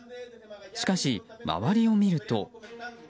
しかし周りを見ると。